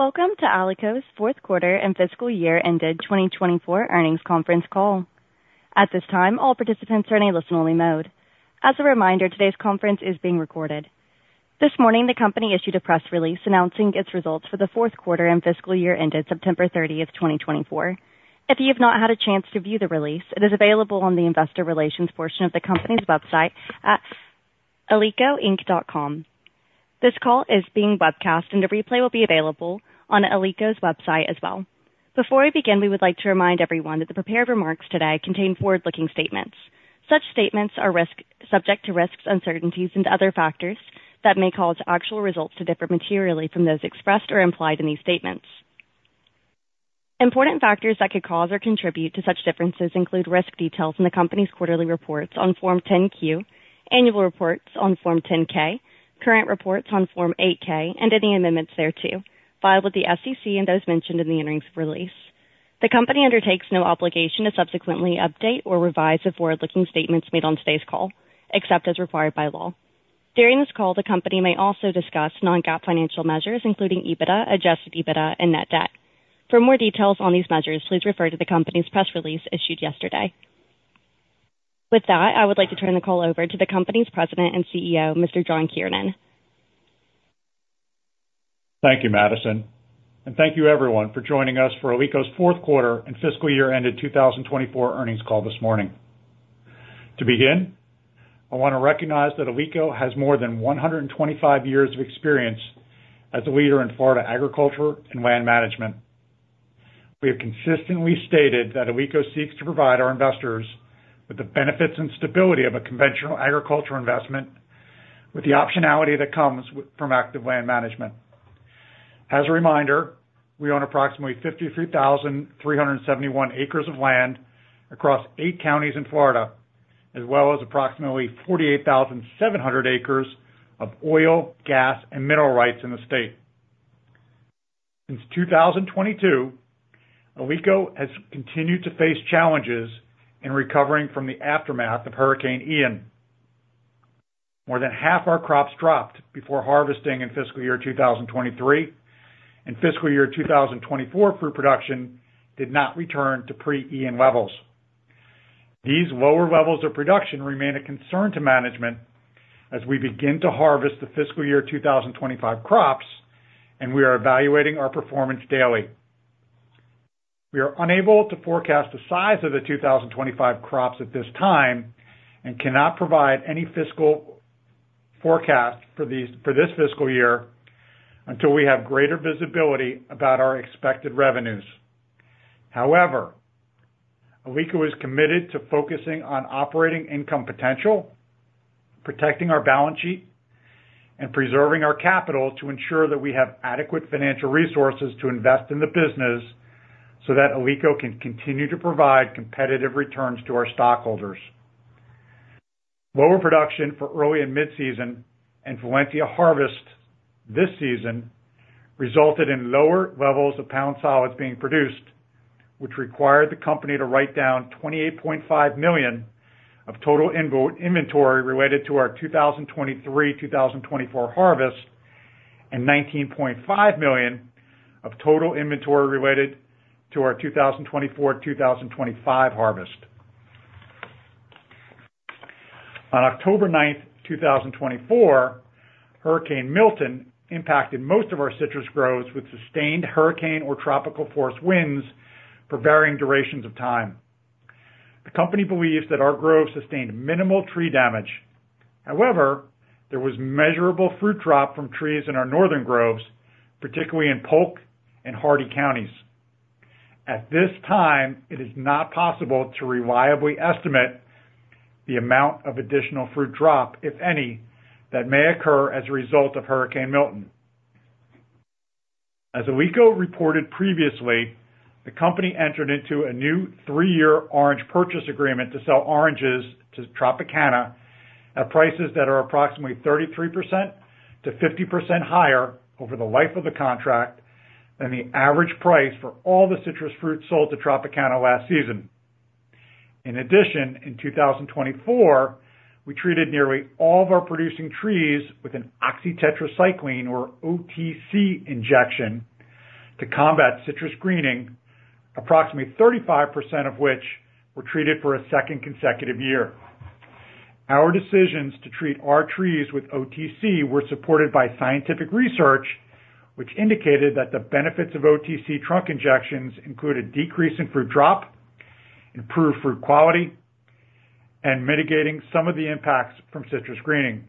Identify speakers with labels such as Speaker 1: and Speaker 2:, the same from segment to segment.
Speaker 1: Welcome to Alico's fourth quarter and fiscal year ended 2024 earnings conference call. At this time, all participants are in a listen-only mode. As a reminder, today's conference is being recorded. This morning, the company issued a press release announcing its results for the fourth quarter and fiscal year ended September 30th, 2024. If you have not had a chance to view the release, it is available on the investor relations portion of the company's website at alicoinc.com. This call is being webcast, and a replay will be available on Alico's website as well. Before we begin, we would like to remind everyone that the prepared remarks today contain forward-looking statements. Such statements are subject to risks, uncertainties, and other factors that may cause actual results to differ materially from those expressed or implied in these statements. Important factors that could cause or contribute to such differences include risk details in the company's quarterly reports on Form 10-Q, annual reports on Form 10-K, current reports on Form 8-K, and any amendments thereto, filed with the SEC and those mentioned in the earnings release. The company undertakes no obligation to subsequently update or revise the forward-looking statements made on today's call, except as required by law. During this call, the company may also discuss non-GAAP financial measures, including EBITDA, adjusted EBITDA, and net debt. For more details on these measures, please refer to the company's press release issued yesterday. With that, I would like to turn the call over to the company's President and CEO, Mr. John Kiernan.
Speaker 2: Thank you, Madison. And thank you, everyone, for joining us for Alico's fourth quarter and fiscal year ended 2024 earnings call this morning. To begin, I want to recognize that Alico has more than 125 years of experience as a leader in Florida agriculture and land management. We have consistently stated that Alico seeks to provide our investors with the benefits and stability of a conventional agriculture investment, with the optionality that comes from active land management. As a reminder, we own approximately 53,371 acres of land across eight counties in Florida, as well as approximately 48,700 acres of oil, gas, and mineral rights in the state. Since 2022, Alico has continued to face challenges in recovering from the aftermath of Hurricane Ian. More than half our crops dropped before harvesting in fiscal year 2023, and fiscal year 2024 fruit production did not return to pre-Ian levels. These lower levels of production remain a concern to management as we begin to harvest the fiscal year 2025 crops, and we are evaluating our performance daily. We are unable to forecast the size of the 2025 crops at this time and cannot provide any fiscal forecast for this fiscal year until we have greater visibility about our expected revenues. However, Alico is committed to focusing on operating income potential, protecting our balance sheet, and preserving our capital to ensure that we have adequate financial resources to invest in the business so that Alico can continue to provide competitive returns to our stockholders. Lower production for early and mid-season and Valencia harvest this season resulted in lower levels of pound solids being produced, which required the company to write down $28.5 million of total inventory related to our 2023-2024 harvest and $19.5 million of total inventory related to our 2024-2025 harvest. On October 9th, 2024, Hurricane Milton impacted most of our citrus groves with sustained hurricane or tropical force winds for varying durations of time. The company believes that our groves sustained minimal tree damage. However, there was measurable fruit drop from trees in our northern groves, particularly in Polk and Hardee counties. At this time, it is not possible to reliably estimate the amount of additional fruit drop, if any, that may occur as a result of Hurricane Milton. As Alico reported previously, the company entered into a new three-year orange purchase agreement to sell oranges to Tropicana at prices that are approximately 33%-50% higher over the life of the contract than the average price for all the citrus fruit sold to Tropicana last season. In addition, in 2024, we treated nearly all of our producing trees with an oxytetracycline or OTC injection to combat citrus greening, approximately 35% of which were treated for a second consecutive year. Our decisions to treat our trees with OTC were supported by scientific research, which indicated that the benefits of OTC trunk injections include a decrease in fruit drop, improved fruit quality, and mitigating some of the impacts from citrus greening.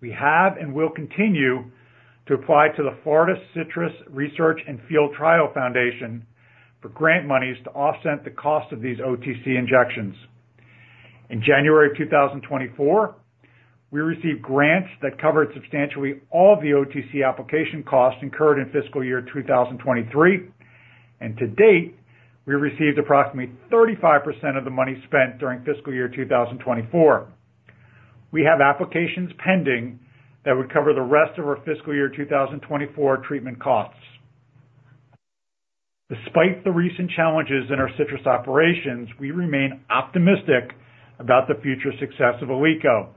Speaker 2: We have and will continue to apply to the Florida Citrus Research and Field Trial Foundation for grant monies to offset the cost of these OTC injections. In January 2024, we received grants that covered substantially all the OTC application costs incurred in fiscal year 2023, and to date, we received approximately 35% of the money spent during fiscal year 2024. We have applications pending that would cover the rest of our fiscal year 2024 treatment costs. Despite the recent challenges in our citrus operations, we remain optimistic about the future success of Alico.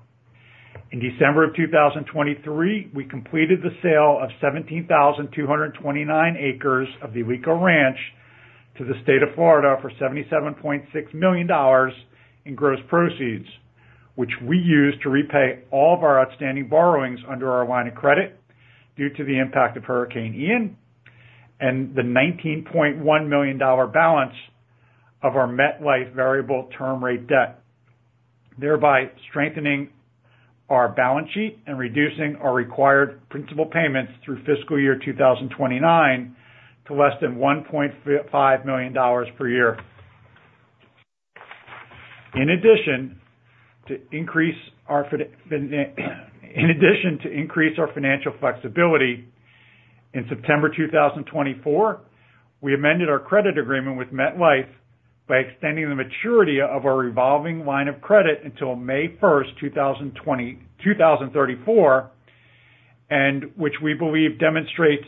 Speaker 2: In December of 2023, we completed the sale of 17,229 acres of the Alico Ranch to the State of Florida for $77.6 million in gross proceeds, which we used to repay all of our outstanding borrowings under our line of credit due to the impact of Hurricane Ian and the $19.1 million balance of our MetLife variable term rate debt, thereby strengthening our balance sheet and reducing our required principal payments through fiscal year 2029 to less than $1.5 million per year. In addition to increase our financial flexibility, in September 2024, we amended our credit agreement with MetLife by extending the maturity of our revolving line of credit until May 1st, 2034, which we believe demonstrates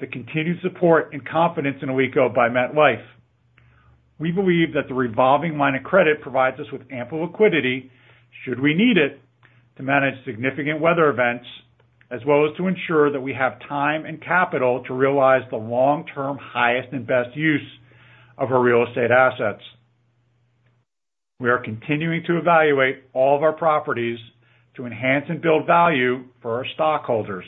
Speaker 2: the continued support and confidence in Alico by MetLife. We believe that the revolving line of credit provides us with ample liquidity should we need it to manage significant weather events, as well as to ensure that we have time and capital to realize the long-term highest and best use of our real estate assets. We are continuing to evaluate all of our properties to enhance and build value for our stockholders.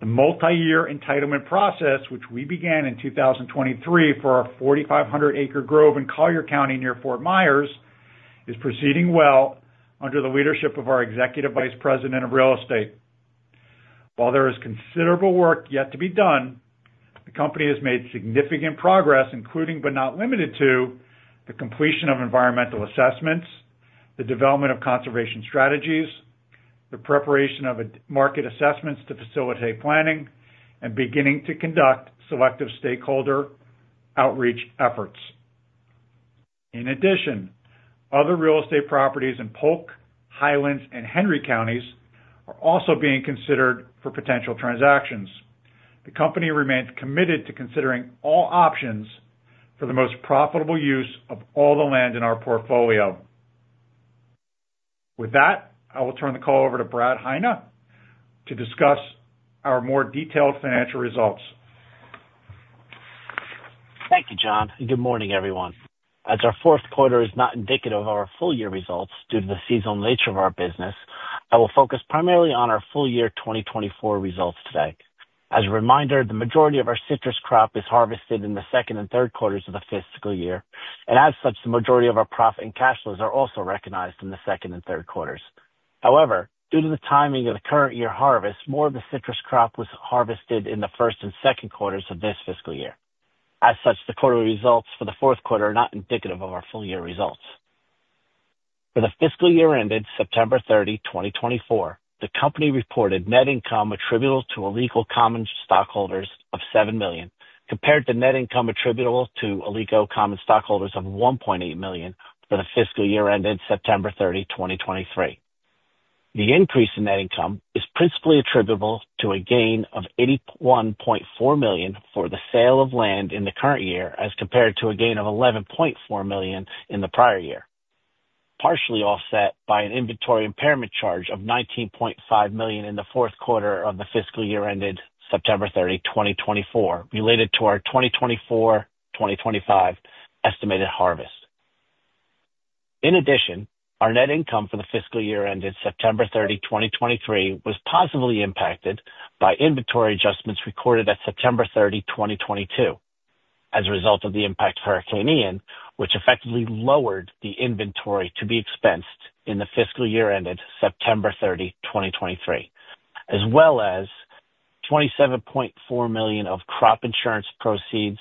Speaker 2: The multi-year entitlement process, which we began in 2023 for our 4,500-acre grove in Collier County near Fort Myers, is proceeding well under the leadership of our executive vice president of real estate. While there is considerable work yet to be done, the company has made significant progress, including but not limited to the completion of environmental assessments, the development of conservation strategies, the preparation of market assessments to facilitate planning, and beginning to conduct selective stakeholder outreach efforts. In addition, other real estate properties in Polk, Highlands, and Hendry counties are also being considered for potential transactions. The company remains committed to considering all options for the most profitable use of all the land in our portfolio. With that, I will turn the call over to Brad Heine to discuss our more detailed financial results.
Speaker 3: Thank you, John. Good morning, everyone. As our fourth quarter is not indicative of our full-year results due to the seasonal nature of our business, I will focus primarily on our full-year 2024 results today. As a reminder, the majority of our citrus crop is harvested in the second and third quarters of the fiscal year, and as such, the majority of our profit and cash flows are also recognized in the second and third quarters. However, due to the timing of the current year harvest, more of the citrus crop was harvested in the first and second quarters of this fiscal year. As such, the quarterly results for the fourth quarter are not indicative of our full-year results. For the fiscal year ended September 30, 2024, the company reported net income attributable to Alico common stockholders of $7 million, compared to net income attributable to Alico common stockholders of $1.8 million for the fiscal year ended September 30, 2023. The increase in net income is principally attributable to a gain of $81.4 million for the sale of land in the current year, as compared to a gain of $11.4 million in the prior year, partially offset by an inventory impairment charge of $19.5 million in the fourth quarter of the fiscal year ended September 30, 2024, related to our 2024-2025 estimated harvest. In addition, our net income for the fiscal year ended September 30, 2023, was positively impacted by inventory adjustments recorded at September 30, 2022, as a result of the impact of Hurricane Ian, which effectively lowered the inventory to be expensed in the fiscal year ended September 30, 2023, as well as $27.4 million of crop insurance proceeds,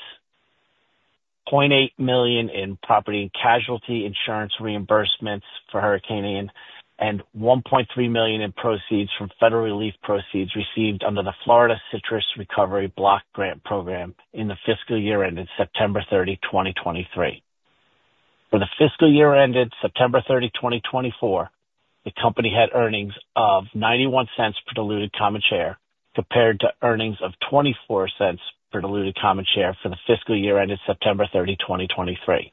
Speaker 3: $0.8 million in property and casualty insurance reimbursements for Hurricane Ian, and $1.3 million in proceeds from federal relief proceeds received under the Florida Citrus Recovery Block Grant Program in the fiscal year ended September 30, 2023. For the fiscal year ended September 30, 2024, the company had earnings of $0.91 per diluted common share compared to earnings of $0.24 per diluted common share for the fiscal year ended September 30, 2023.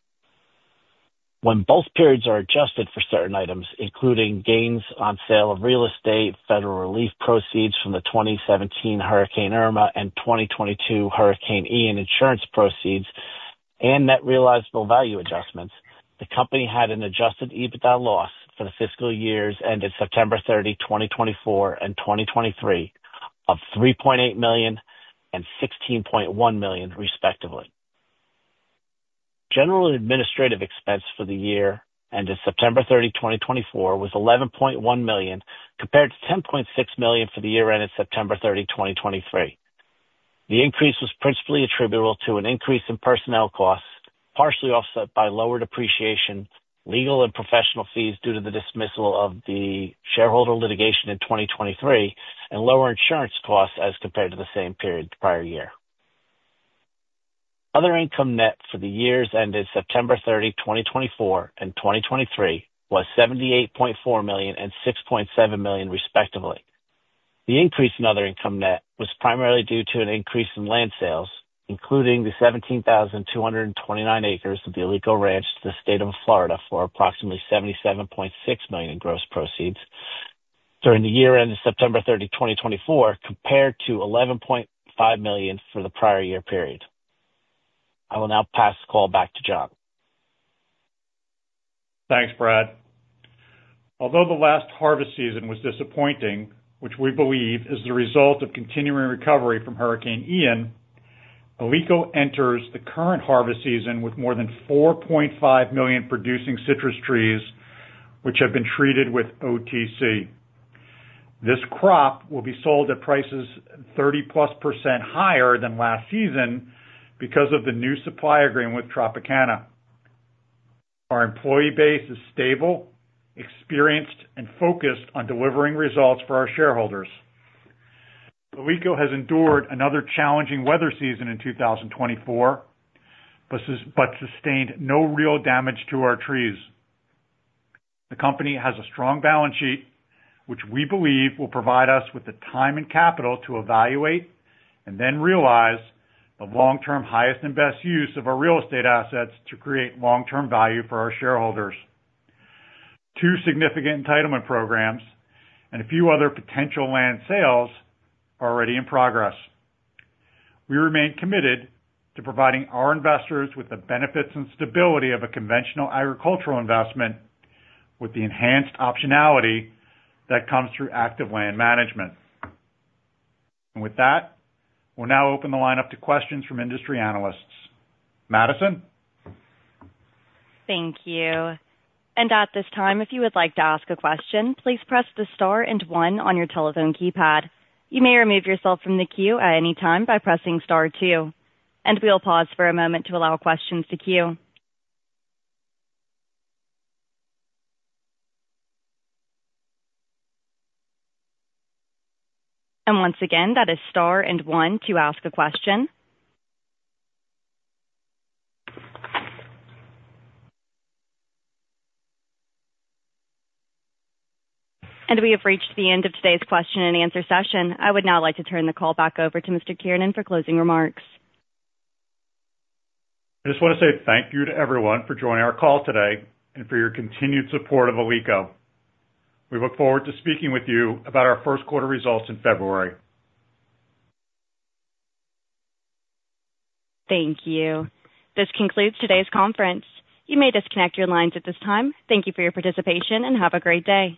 Speaker 3: When both periods are adjusted for certain items, including gains on sale of real estate, federal relief proceeds from the 2017 Hurricane Irma and 2022 Hurricane Ian insurance proceeds, and net realizable value adjustments, the company had an adjusted EBITDA loss for the fiscal years ended September 30, 2024, and 2023 of $3.8 million and $16.1 million, respectively. General administrative expense for the year ended September 30, 2024, was $11.1 million compared to $10.6 million for the year ended September 30, 2023. The increase was principally attributable to an increase in personnel costs, partially offset by lower depreciation, legal and professional fees due to the dismissal of the shareholder litigation in 2023, and lower insurance costs as compared to the same period the prior year. Other income net for the years ended September 30, 2024, and 2023 was $78.4 million and $6.7 million, respectively. The increase in other income net was primarily due to an increase in land sales, including the 17,229 acres of the Alico Ranch to the State of Florida for approximately $77.6 million in gross proceeds during the year ended September 30, 2024, compared to $11.5 million for the prior year period. I will now pass the call back to John.
Speaker 2: Thanks, Brad. Although the last harvest season was disappointing, which we believe is the result of continuing recovery from Hurricane Ian, Alico enters the current harvest season with more than 4.5 million producing citrus trees, which have been treated with OTC. This crop will be sold at prices 30+% higher than last season because of the new supply agreement with Tropicana. Our employee base is stable, experienced, and focused on delivering results for our shareholders. Alico has endured another challenging weather season in 2024 but sustained no real damage to our trees. The company has a strong balance sheet, which we believe will provide us with the time and capital to evaluate and then realize the long-term highest and best use of our real estate assets to create long-term value for our shareholders. Two significant entitlement programs and a few other potential land sales are already in progress. We remain committed to providing our investors with the benefits and stability of a conventional agricultural investment with the enhanced optionality that comes through active land management. And with that, we'll now open the line up to questions from industry analysts. Madison?
Speaker 1: Thank you. And at this time, if you would like to ask a question, please press the star and one on your telephone keypad. You may remove yourself from the queue at any time by pressing star two. And we'll pause for a moment to allow questions to queue. And once again, that is star and one to ask a question. And we have reached the end of today's question and answer session. I would now like to turn the call back over to Mr. Kiernan for closing remarks.
Speaker 2: I just want to say thank you to everyone for joining our call today and for your continued support of Alico. We look forward to speaking with you about our first quarter results in February. Thank you. This concludes today's conference. You may disconnect your lines at this time. Thank you for your participation and have a great day.